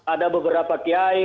ada beberapa kiai